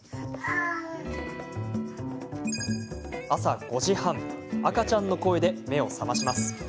朝５時半赤ちゃんの声で目を覚まします。